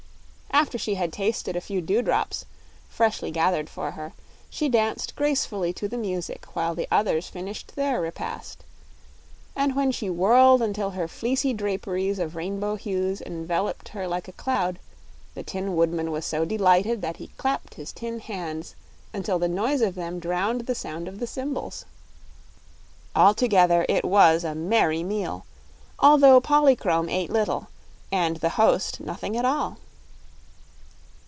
After she had tasted a few dewdrops, freshly gathered for her, she danced gracefully to the music while the others finished their repast; and when she whirled until her fleecy draperies of rainbow hues enveloped her like a cloud, the Tin Woodman was so delighted that he clapped his tin hands until the noise of them drowned the sound of the cymbals. Altogether it was a merry meal, although Polychrome ate little and the host nothing at all.